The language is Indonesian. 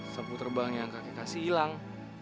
sapu terbang yang kaki kasih hilang